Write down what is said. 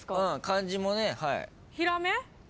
漢字もね。